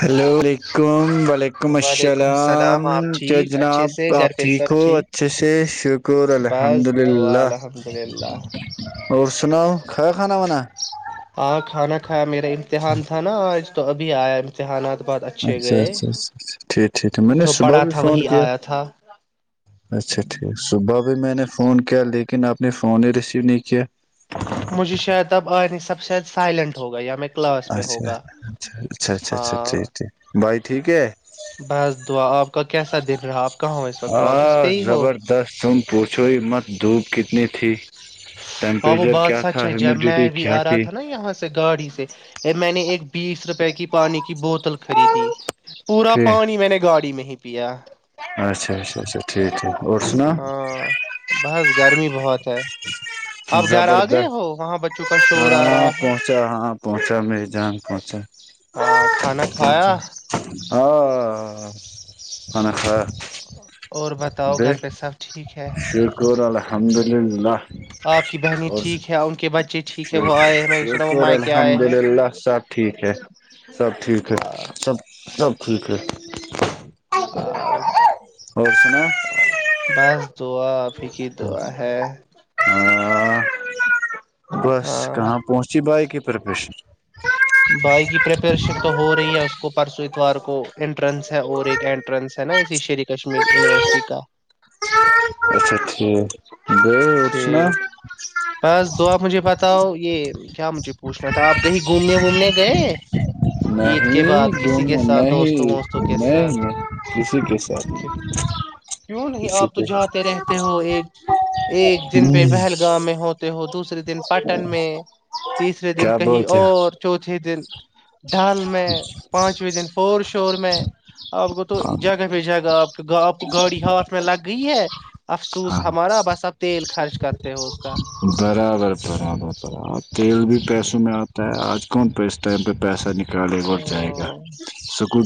hello و ععلیکم وعلیکم السلام آپ کیا ٹھیک اچھے جناب سے آپ گھر پہ ٹھیک سب ہو اچھے سے شکر الحمد بس دعا للہ الحمد للہ اور سناؤ کھا کھانا وانا ہاں کھانا کھایا میرا امتحان تھا نا آج تو ابھی آیے امتحانات بہت اچھے اچھا گئے اچھا اچھا اچھا ٹھیک ٹھیک میں نے جو صبح پڑھا بھی تھا فون وہی کیا آیا تھا اچھا ٹھیک صبح بھی میں نے فون کیا لیکن لیکن آپ نے فون ہی ریسیو نہیں کیا مجھے شاید اب آ نہیں سب شاید سائلنٹ ہوگا یا میں کلاس میں اچھی بات ہوگا نا اچھا اچھا اچھا اچھا ہاں ٹھیک ٹھیک بھائی ٹھیک ہے بس دعا آپ کا کیسا دن رہا آپ کہاں ہو اس وقت آوفس پہ ہی ہو پوچھوں ہی مت دھوپ کتنی تھی ہاں وہ ٹیمپریچر بات کیا سچ تھا ہے جب میں ہیومیڈیٹی بھی کیا آ رہا تھا نا تھی یہاں سے گاڑی سے یہ میں نے ایک بیس روپئے کی پانی کی بوت بوتال خریدی پورا پانی میں نے گاڑی میں ہی پیا اچھا اچھا اچھا ٹھیک ہے اور سوناں ہاں بس گرمی بہت ہے آپ گھر آ گئے زبردست ہو وہاں بچوں کو ہاں پہنچا ہاں پہنچا مری جان پہنچا ہاں کھانا کھایا او او خانا خایا اور بتاؤ گھر پہ سب ٹھیک ہے الحمدللہ آپ کی بہنی ٹھیک ہے ان کے بچے ٹھیک ہے وہ آئے ہیں میں نے سنا وہ شکر مائ کے آئے الحمد ہیں للہ سب ٹھیک ہے سب ٹھیک ہے ہاں سب سب ٹھیک ہے آج اور سنا بس دعا اپ ہی کی دعا ہے ہاں بس ہاں کہاں پہنچی بائک کی پر واش بھائی کی پریپریشن تو ہو رہی ہے اس کو پرسوں اتوار کو انٹرنس ہے اور ایک انٹرنس ہے نا اسی شیری کشمیر یونیورسٹی کا اچھا ٹھیک گئے اٹسنا ٹھیک بس دعا مجھے بتاؤ یہ کیا مجھے پوچھنا تھا آپ کہیں گھومنے وومنے گئے عید کے نہیں بعد کسی کے گم ساتھ دوستوں نہیں وستوں کے ساتھ نہیں کسی کے ساتھ کیوں نہیں کسی آپ تو کے جاتے رہتے ہو ایک ایک دن پہ پہلگام میں ہوتا ہو [unintelligible] دوسرے دن پٹن میں تیسرے دن کیا کہیں بولتے اور چوتھے دن ڈال میں پانچویں دن فور شور میں آپ کو تو ہاں جاگہ پہ جائے گا آپ آپ کو گاڑی ہھ میں لگ گئی ہے افسوس ہمارا بس اب تیل خرچ کرتے ہو اس کا برابر برابر برابر تیل بھی پیسوں میں آتا ہے آج کون پہ اس ٹائم پہ پیسہ ن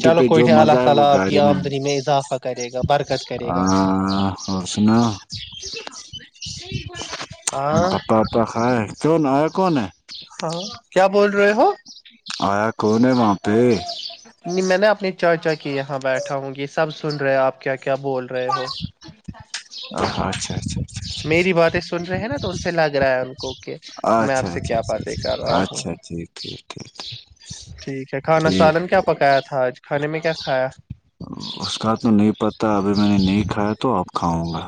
چلو پہ جو کوئٹہ مزہ اللہ ہے تعالی وہ اپ کی امدنی میں اضافہ کرے گا ج بار آ سنا ہاں بتا وتاا کائے جو ن ہاں کیا بول رہے ہو آیا کون ہے وہاں پہ نہیں میں نے اپنے چاچا کے یہاں بیٹھا ہوں یہ سب سن رہے ہیں آپ کیا کیا بول رہے ہو اچھا اچھا اچھا میری باتیں سن رہے ہیں نا سے لگ رہا ہے ان کو کہ اچھا میں آپ سے اچھا کیا اچھا باتیں کر اچھا رہا ہوں اچھا ٹھیک ٹھیک ٹھیک ٹھ ٹھیک ہے کھانا ٹھیک سالن کیا پکایا تھا آج کھے میں کیا کھایا اس کا تو نہیں پتہ ابھی میں نے نہیں کھایا تو آپ کھاؤں گا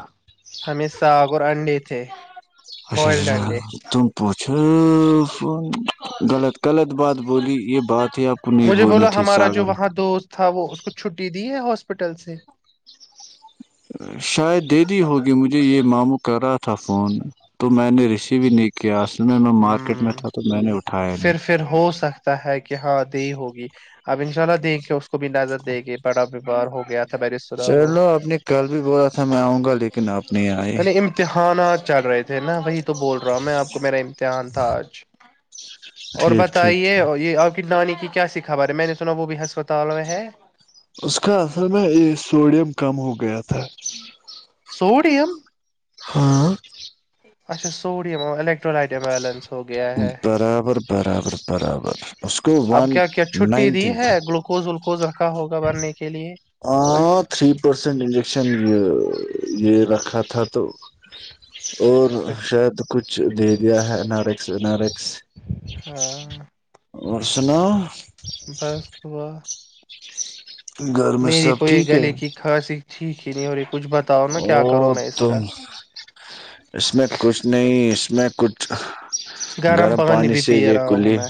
ہمیں ساگ اور انڈے تھے اچا بوائلڈ ا انڈے تمپور ف غلط غلط بات بولی یہ بات ہی آپ کو نہیں مجھے بولنی بولو تھی ہمارا جو ساگر وہاں دوست تھا وہ اس کو چھٹی دی ہے ہاسپٹل سے شاید دے دی ہوگی مجھے یہ ماموں کر رہا تھا فون تو میں نے ریسیو ہی نہیں کیا سیں میں مارکیٹ میں ہ تھا تو میں نے اٹھایا نہیں پھر پھر ہو سکتا ہے کہ ہاں د ہوگی اب ان شاء اللہ دیکھ کے اس کو بھی نظر دے گے بڑا بیمار ہو گیا تھا میں نے سنا وہ چلو آپ نے کل بھی بولا تھا میں آؤں گا لیکن آپ نہیں آئے یعنی امتحانات چل رہے نا وہی تو بول رہا ہوں میں آپ کو میرا ان تھا آج ٹھیک اور ٹھیک ٹھیک بتائیے یہ آپ ک نام کی کیا س خبر ہے میں نے سنا وہ بھی ہسپتال میں ہے اس کا اصل میں یہ سوڈیم کم ہو گیا تھا جی سوڈیم ہاں اچھا سوڈیم ایلیکٹرولائٹ ایولنس برابر برابر برابر اس کو اب ون کیا کیا چھٹی دی ہے گلوکوز ولوکوز رکھا ہوگا بھرنے کے لیے یہ رکھا تھا تو اور شاید کچھ دے دیا ہے نارے سنارکس ہاں اور سناو بس دعا گھر میں میری سب کو یے گلے کی کھانسی ٹھیک ہی نہیں ہو رہی کچھ بتاؤ نا کیا وہ کروں میں اس تم کا اس میں کچھ نہیں میں کچھ گرم پانی بھی سے پی یہ رہا ہوں کوللی میں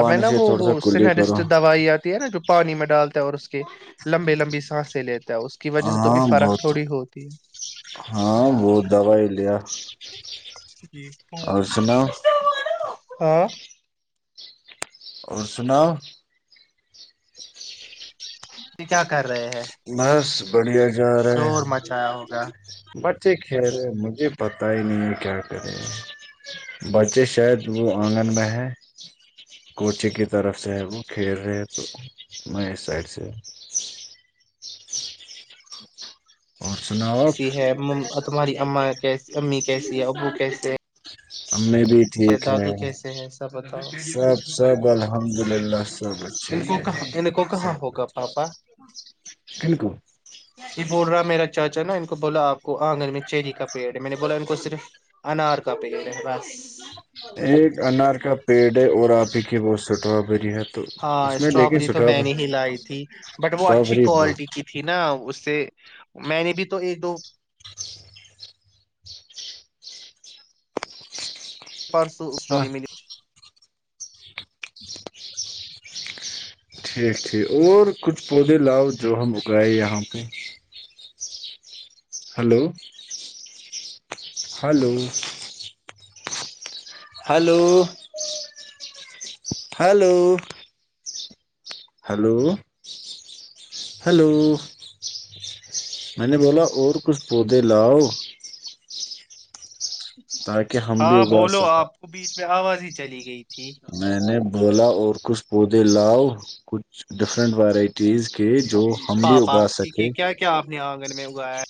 اب ہے نہ وہ وہ سا کلی کرو سنیٹسٹ دوائی آتی ہے نہ جو پانی میں ڈال دو اور اس کے لمبے لمبے سانسیں لیتے ہاں بہت ہے ہاں بہت دوائی لیا جی تو اور سناو ہاں اور سناؤ یہ کیا کہ بس بڑھیا جا رہا ہے شور مچایا ہوگا بٹ بچے کھیل رہے مجھے پتا ہی نہیں ہے کیا کر رہے بچے شاید وہ آنگن میں ہے کوچے کی طرف سے ہے وہ کھیل رہے تو میں اس سائڈ سے اور سناؤ آپ کیسی ہے تمہاری اما کیسی امی کیسی ہے ابو کیسے ہیں [inaudible] ٹھیک ہے دادو کیسے ہے سب بتاؤ سب سب الحمد للہ سب اچھے ان کو سے کہاں ان کو کہاں سب ہوگا پاپا کن کو یہ بول رہا میرا چاچا نہ بولا اپ کو انگن میں چیری کا پیڑ ہے میں نے بولا ان کو صرف انار کا پیڑ ہے بس ایک انار کا پیڑ ہے اور آپ ہی کی بہت سٹرابری ہے تو ہاں اس میں لیکن اسٹرابری تو میں نے ہی لائی تھی بٹ وہ اچھی اسٹرابری کوالٹی کی تھی نہ سے میں نے بھی تو ایک دو ہاں [unintelligible] ٹھیک ٹھیک اور کچھ پودے لاؤ جو ہم اگائے یہاں پہ hello hello hello hello hello hello میں نے بولا اور کچھ پودے لاؤ تاکہ ہم بھی ہاں اگاار بولو سکیں آپ کو بیچ میں آواز ہی چلی گئی تھی میں نے بولا اور کچھ پودے لاؤ کچھ ڈفرنٹ وورای پاپا ٹھیک ہے کیا کیا آپ نے آ گن میں اگایا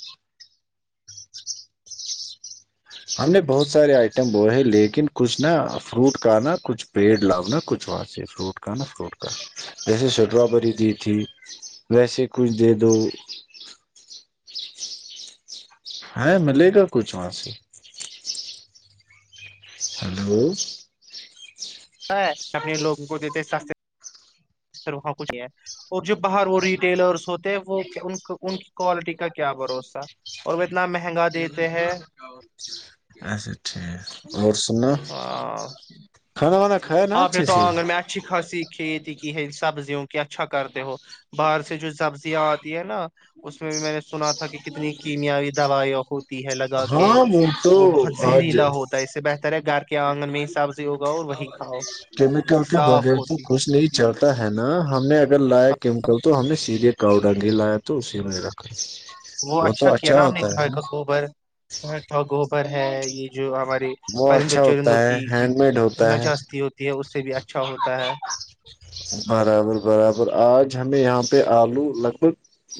ہم نے بہت سارے آئٹم بوئے ہیں لیکن کچھ نہا فروٹ کا نہا کچھ پیڑ لؤناا کچھ واں سے فروٹ کا نا فروٹ کا جیسے شٹرابری دی تھی ویسے کچھ دے دو ہاں ملے گا کچھ وہاں سے ہلو اپنے لوگوں کو دیتے سستے پھر وہاں کچھ نہیں ہے اور جو باہر وہ ریٹیلرس ہوتے ہیں وہ ان کی کوالٹی کا کیا بھروسہ اور وہ اتنا مہنگا دیتے ہیں اچھا ٹھیک اور سننا ہاں، کھانا وانا کھایا نا آپ نے اچھھی تو سے آنگن میں اچھی خاصی کھیتی ہے سبزیوں کی اچھا کرتے ہو باہر سے جو سبزیاں آتی ہے نا اس میں بھی میں نے سنا تھا کہ کتنی کیمیاوی دوائیاں ہوتی ہے لگا کے ہاں تو وہ بہت آج زہریلا ہوتا ہے اس سے بہتر ہے گھر کیا آنگن میں حساب سے ہوگا اور وہی کھاؤ کیمیکل کے صاف بغیر تو ہوتی کچھ نہیں چل ہے نا ہم نے اگر لایا کیمکل تو ہم نے سیدھے کاؤڈنگ ہی لایا تو اسی میں رکھا وہ اچھا تو کیا نا آپنے ہوتا گھائے ہے نا کا گوبر گھائے کا گو پر ہے یہ جو ہمارے وہ پرندوں اچھا چندوں ہوتا کی ہے ہینڈ میڈ ہوتا ہے نجی ہوتی ہےاس سے بھی اچھا ہوتا ہے برابر برابر آج ہمیں یہاں پہ آلو لگ بھگ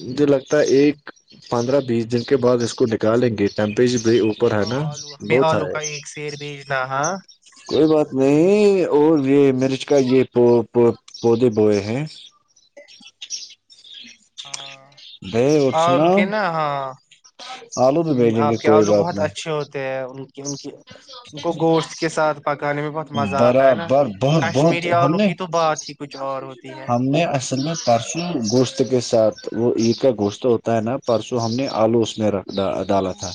مجھے لگتا ہے ایک پندرہ بیس دن کے بعد اس کو نکالیں گے کے ٹمپریچر ہاں آلو ہمیں آلو کا ایک شیر بھیجنا ہاں کوئی بات نہیں اور یہ مرچ کا یہ پو پپو پودے بوئے ہیں ج ہاں ہاں سناؤ لکینا ہاں آلو بھی بھیجیں آپ گے کے کوئی آلو بات بہت نہیں اچھے ہوتے ہیں ان کی ان کی ان کو گوشت کے ساتھ پکانے میں بہت مزہ آتا ہے نا برابر بہت بہت کشمیری ہم آلو نے کی تو بات ہی کچھ اور ہوتی ہے ہم نے اصل میں پرسوں گوشت کے ساتھ وہ عید کا گوشت ہوتا ہے نا پرسوں ہم نے آلو اس میں رکھا ڈالا تھا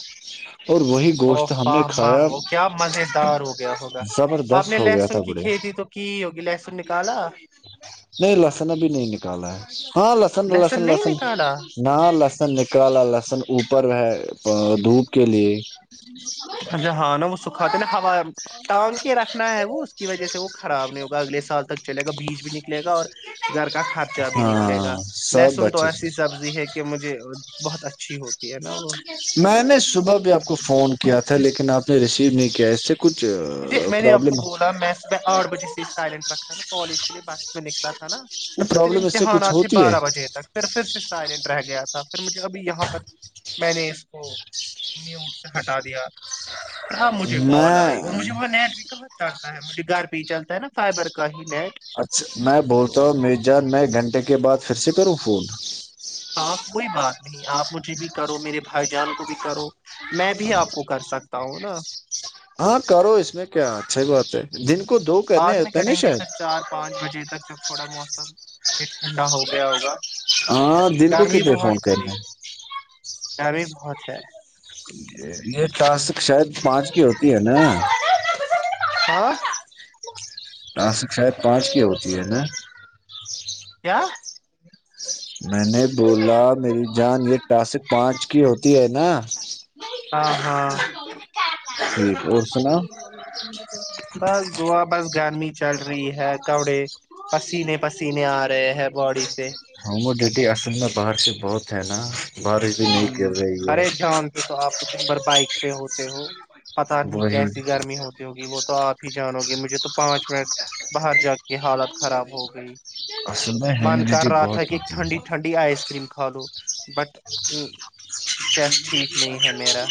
اور وہی او گوشت ہم نے واہ ماہ کھایا وہ کیا مزے دار ہو گیا ہوگا زبردست آپ نے ہو گیا لہسن تھا کی بڑے کھیتی تو کی ہوگی لہسن نکالا نہیں لہسن ابھی نہیں نکالا ہے ہاں لہسن نہیں نکالا نہ لہسن نکالا لہسن اوپر ہے دھوپ کے لیے اچھا ہاں نا سکھا دن ٹانگ کے رکھنا ہے وہ اس کی وجہ سے وہ خراب نہیں ہو اگلے سال تک چلےا بیچ بھی نکلے گا اور گھر کا خرچہ بھی ہاں نکلے گا سب لہسن تو اچھے ایسی سبزی ہے کہ مجھے بہت اچھا اچھی ہوتی ہے نا وہ میں نے صبح بھی آپ کو فون کیا تھا لیکن آپ رسیو نہیں کیاس مجھے میں نے آپ کو بولا میں صبح آٹھ بجے سے سائلنٹ رکھا ہے کالج بس میں نکلا ہے نا پھر پرابلم اس سے امتحان کچھ آتی ہوتی ہے بارہ بجے تک پھر پھر سے سائلینٹ رہ گیا تھا س مجھے ابھی یہاں پر میں نے اس کو میوٹ سے ہٹا دیا ہ مجھے بال میں آئی اور مجھے میں نیٹ و مجھے گھر پہ ہی چلتا ہے نا فائبر کا ہی نیٹ اچھا میں بولتا ہوں میر جان میں ایک گھنٹے کے بعد پھر سے کروں فون ہاں کوئی بات نہیں آپ مجھے بھی کرو میرے بھائی جان کو بھی کرو میں بھی آپ کو کر سکتا ہوں نا ہاں کرو اس میں کیا اچھ ہی بات ہے دن کا بعد میں کریں گے پھر چار پانچ بجے تک جب تھوڑا موسم یہ ٹھنڈا ہو گیا ہوگا ہاں دل کوو گرمی کتنے فون بہت ہے کرے ہیں لیکن گرمی بہت سے یہ ٹاسک شاید پانچ کی ہوتی ہے نا ہاں آسک شاید پانچ کی ہوتی ہے نا کیا میں نے بولا میری جان یہ ٹاسک پانچ کی ہوتی ہے نا ہ ہاں ٹھیک اور سنا بس دعا بس گرمی چل رہی ہے کپڑے پسینے پسینے آ رہے ہے باڈی سے ہاں م ڈیٹی آس ن باہر سے بہت ہے نا بارش بھی ہ نہیں گر رہی ہے ارے جانتے تو آپ کو دن بھر بائک پہ ہو تو ہو پت نہیں وہی کیسی گرمی ہوتی ہوگی وہ تو آپ ہی جانو گے مجھے تو پانچ منٹ باہر جا کے حالت خراب ہو گئی اصل میں من کر ہیومیڈیٹی رہا تھا بہت کہ ہوتی ٹھنڈی ہے ٹھنڈی آئس کریم کھ لو بٹ ہ چیسٹ ٹھیک نہیں ہے میرا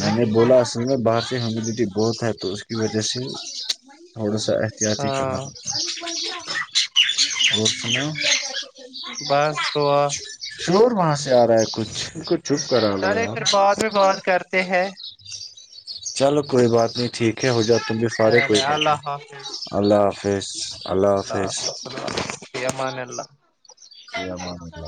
میں نے بولا اصل میں باہر سے ہیومیڈیٹی بہت ہے تو اس کی وجہ سے تھوڑا سا احتیاط ہی کرنا ہاں پڑتا اور سنا بس رھا [unintelligible] شور ماس آ رہا ہے کچھ کچھ چلے پھر بعد میں بات کرتے ہیں چلو کوئی بات نہیں ٹھیک ہو جات تم بھی فارغ چلے کوئی بات نہیں اللہ حافظ اللہ حافظ اللہ حافظ اللہ حافظ فی امان اللہ فیمنایلا